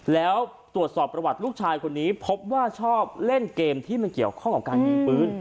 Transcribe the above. แล้วตรวจสอบประวัติลูกชายคนนี้พบว่าชอบเล่นเกมที่มันเกี่ยวข้องกับการยิงปืน